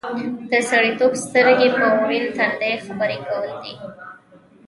د سړیتوب سترګې په ورین تندي خبرې کول دي.